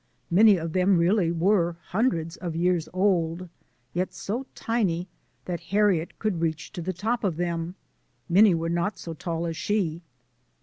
Many of them really were hundreds of years old, yet so tiny that Harriet could reach to the top of them. Many were not so tall as she.